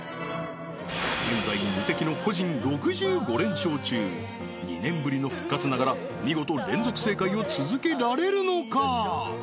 現在無敵の個人６５連勝中２年ぶりの復活ながら見事連続正解を続けられるのか？